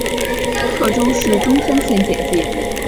贺州市钟山县简介